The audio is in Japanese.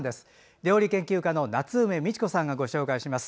料理研究家の夏梅美智子さんがご紹介します。